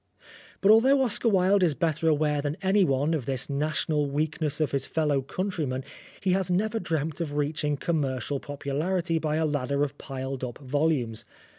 But although Oscar Wilde is better aware than anyone of this national weakness of his fellow countrymen, he has never dreamt 261 Oscar Wilde of reaching commercial popularity by a ladder of piled up volumes.